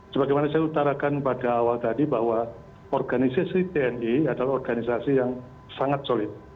sebagaimana saya utarakan pada awal tadi bahwa organisasi tni adalah organisasi yang sangat solid